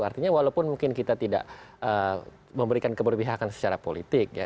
artinya walaupun mungkin kita tidak memberikan keberpihakan secara politik ya